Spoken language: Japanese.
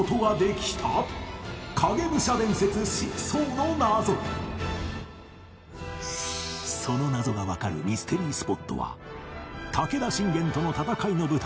家康はその謎がわかるミステリースポットは武田信玄との戦いの舞台